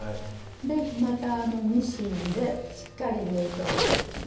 でまたミシンでしっかり縫い留めていきます。